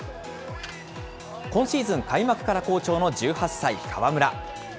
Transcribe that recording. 今シーズン、開幕から好調の１８歳、川村。